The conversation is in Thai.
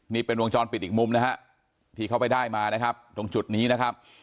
นี่เป็นวงจรปิดอีกมุมนะฮะที่เขาไปได้มานะครับตรงจุดนี้นะครับ